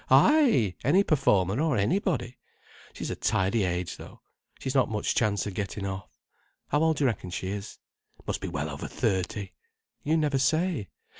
Ay, any performer or anybody. She's a tidy age, though. She's not much chance of getting off. How old do you reckon she is? Must be well over thirty. You never say.